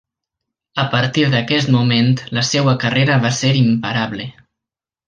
A partir d'aquest moment la seua carrera va ser imparable.